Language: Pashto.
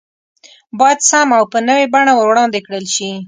بايد سم او په نوي بڼه وړاندې کړل شي